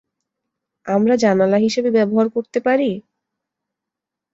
আমরা জানালা হিসেবে ব্যবহার করতে পারি?